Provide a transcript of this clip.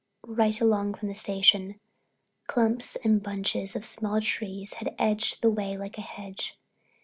Right along from the station, clumps and bunches of small trees had edged the way like a hedge.